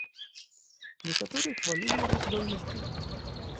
Некаторыя хвалілі яго здольнасці.